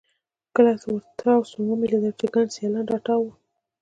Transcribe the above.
کله ورتاو سوم ومې لېدل چې ګڼ سیلانیان راتاو وو.